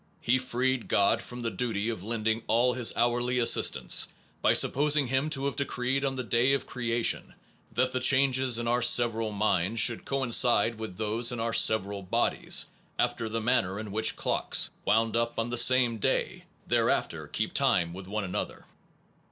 He freed God from the duty of lending all this hourly assistance, by sup posing Him to have decreed on the day of crea tion that the changes in our several minds should coincide with those in our several bodies, after the manner in which clocks, wound up on the same day, thereafter keep time with one another.